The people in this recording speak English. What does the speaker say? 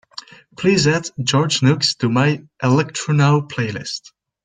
please add george nooks to my electronow playlist